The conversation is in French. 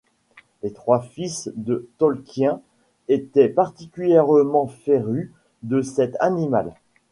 Les trois fils de Tolkien étaient particulièrement férus de cet animal.